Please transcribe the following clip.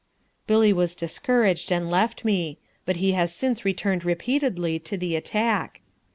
Billy was discouraged and left me. But he has since returned repeatedly to the attack.